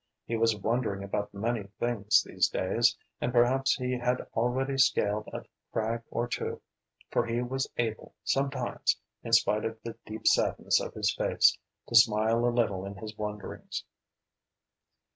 He was wondering about many things these days, and perhaps he had already scaled a crag or two, for he was able sometimes, in spite of the deep sadness of his face, to smile a little in his wonderings.